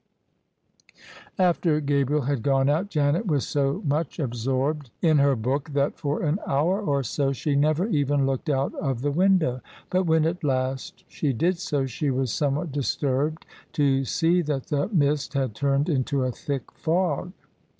After Gabriel had gone out, Janet was so much absorbed [ 207 ] THE SUBJECTION in her book that for an hour or so she never even looked out of the window; but when at last she did so, she was some what disturbed to see that the mist had turned into a thick fog.